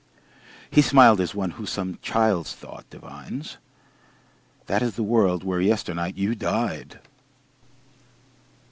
He smiled as one who some child's thought divines: "That is the world where yesternight you died."